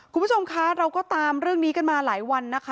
คุณผู้ชมคะเราก็ตามเรื่องนี้กันมาหลายวันนะคะ